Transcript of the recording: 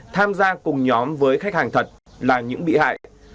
tham gia cùng nhóm với khách hàng thật là những bị hại